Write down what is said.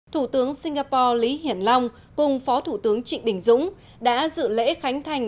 thủ tướng singapore lý hiển long cùng phó thủ tướng trịnh đình dũng đã dự lễ khánh thành